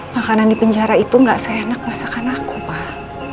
makanan di penjara itu nggak seenak masakan aku pak